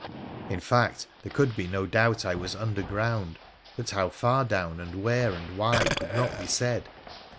In fact, there could be no doubt I was underground, but how far down, and where, and why, could not be said.